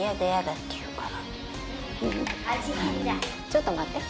ちょっと待って。